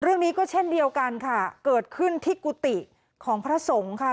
เรื่องนี้ก็เช่นเดียวกันค่ะเกิดขึ้นที่กุฏิของพระสงฆ์ค่ะ